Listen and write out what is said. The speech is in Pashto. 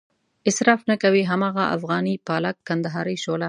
اصراف نه کوي هماغه افغاني پالک، کندهارۍ شوله.